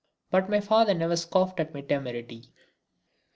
But my father never scoffed at my temerity.